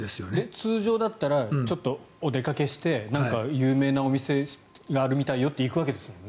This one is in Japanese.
通常だったらちょっとお出かけして有名なお店があるよと行くわけですもんね。